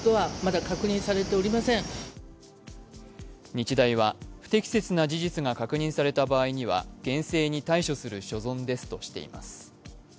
日大は、不適切な事実が確認された場合には厳正に対処する所存ですとしています。